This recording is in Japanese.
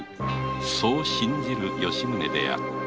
そう信じる吉宗であった